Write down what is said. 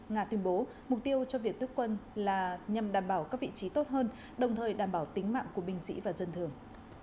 nga tuyên bố mục tiêu cho việc tức quân là nhằm đảm bảo các vị trí tốt hơn đồng thời đảm bảo tính mạng của binh sĩ và dân thường